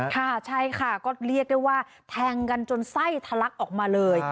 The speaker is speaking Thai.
ค่ะใช่ค่ะก็เรียกได้ว่าแทงกันจนไส้ทะลักออกมาเลย